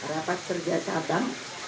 rapat kerja cabang